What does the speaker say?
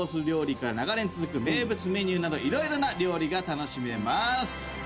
料理から長年続く名物メニューなど色々な料理が楽しめまーす。